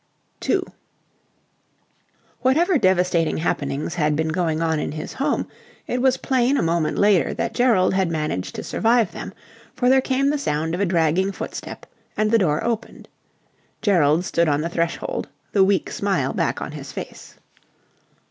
2 Whatever devastating happenings had been going on in his home, it was plain a moment later that Gerald had managed to survive them: for there came the sound of a dragging footstep, and the door opened. Gerald stood on the threshold, the weak smile back on his face.